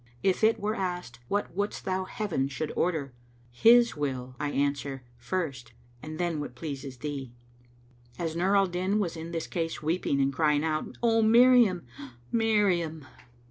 If it were asked, 'What wouldst thou Heaven should order?' 'His will,' I answer, 'First, and then what pleases thee.'" As Nur al Din was in this case, weeping and crying out, "O Miriam! O Miriam!"